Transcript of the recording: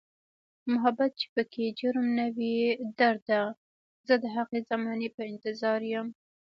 محبت چې پکې جرم نه وي درده، زه د هغې زمانې په انتظاریم